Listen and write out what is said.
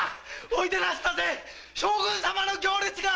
おいでなすったぜ将軍様の行列が！